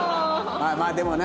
まあまあでもな